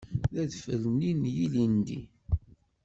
D adfel-nni n yilindi.